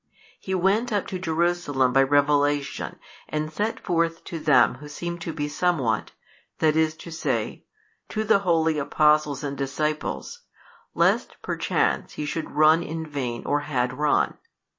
He went up to Jerusalem by revelation and set forth to them who seemed to be somewhat, i. e., to the holy Apostles and Disciples, lest perchance he should run in vain or had run.